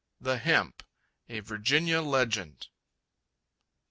The Hemp (A Virginia Legend.)